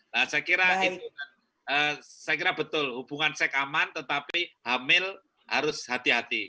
nah saya kira itu saya kira betul hubungan seks aman tetapi hamil harus hati hati